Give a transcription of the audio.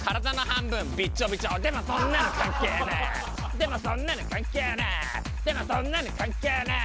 でもそんなの関係ねぇ。